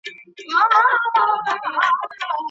د ولور نه ورکول د شريعت خلاف کار دی.